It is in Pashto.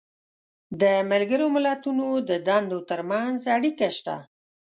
د ملګرو ملتونو د دندو تر منځ اړیکه شته.